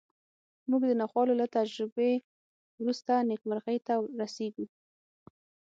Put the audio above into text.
موږ د ناخوالو له تجربې وروسته نېکمرغۍ ته رسېږو